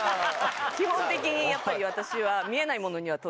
基本的にやっぱり私は。